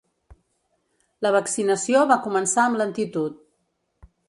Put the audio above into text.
La vaccinació va començar amb lentitud.